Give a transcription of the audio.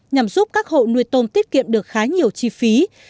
nhằm giúp các hộ nuôi tôm tiết kiệm được khá nhiều chi phí